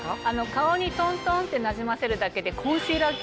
顔にトントンってなじませるだけで。